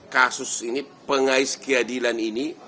kasus ini pengais keadilan ini